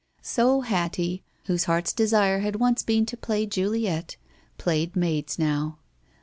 So Hattie, whose heart's desire had once been to play Juliet, played maids now.